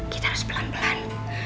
kita harus pelan pelan